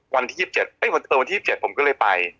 วันที่๒๗ผมก็เลยไป